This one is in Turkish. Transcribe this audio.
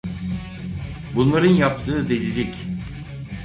Bunların yaptığı delilik.